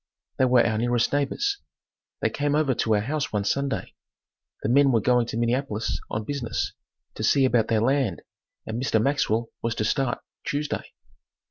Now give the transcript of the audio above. They were our nearest neighbors. They came over to our house one Sunday. The men were going to Minneapolis on business, to see about their land and Mr. Maxwell was to start, Tuesday.